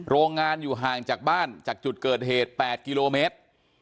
โรงงานอยู่ห่างจากบ้านจากจุดเกิดเหตุ๘กิโลเมตร